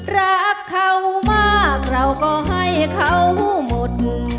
รักเขามากเราก็ให้เขาหมด